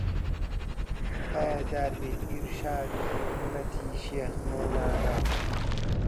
پایەدار بێ ئیڕشادی هیممەتی شێخ مەولانە